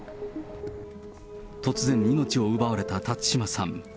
突然命を奪われた辰島さん。